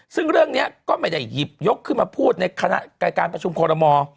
ซึ่งเรื่องนี้ก็ไม่ได้หยิบยกขึ้นมาพูดในคณะการประชุมคอลโม